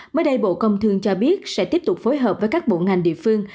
mới đây bộ công thương cho biết sẽ tiếp tục phối hợp với các bộ ngành địa phương